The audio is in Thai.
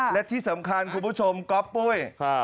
และที่สำคัญคุณผู้ชมก๊อปปุ้ย